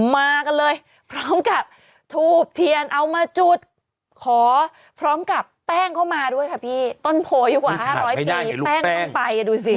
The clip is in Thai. มากันเลยพร้อมกับทูบเทียนเอามาจุดขอพร้อมกับแป้งเข้ามาด้วยค่ะพี่ต้นโพอายุกว่า๕๐๐ปีแป้งต้องไปดูสิ